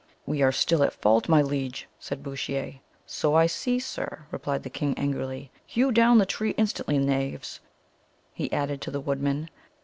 "We are still at fault, my liege," said Bouchier. "So I see, Sir," replied the king angrily. "Hew down the tree instantly, knaves," he added to the woodmen.